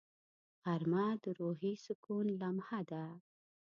غرمه د روحي سکون لمحه ده